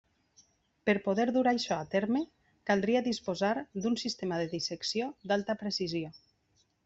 Per poder dur això a terme caldria disposar d'un sistema de dissecció d'alta precisió.